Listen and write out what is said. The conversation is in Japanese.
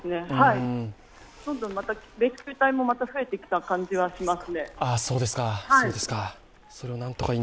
どんどんレスキュー隊もまた増えてきた感じはします。